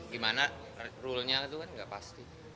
gimana rule nya itu kan nggak pasti